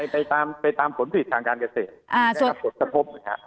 ไปตามผลผลิตทางการเกษตรได้ตามผลสภพค่ะ